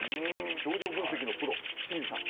表情分析のプロ清水さん。